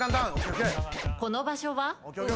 この場所は？